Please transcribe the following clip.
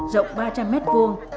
rộng ba trăm linh mét vuông